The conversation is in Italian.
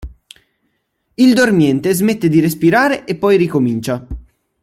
Il dormiente smette di respirare e poi ricomincia.